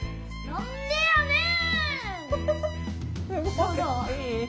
なんでやねん！